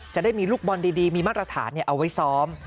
จะได้มีลูกบอลดีมีมาตรฐานเอาไว้ซ้อม